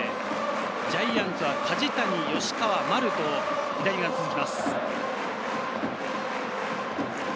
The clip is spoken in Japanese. ジャイアンツは梶谷、吉川、丸と左が続きます。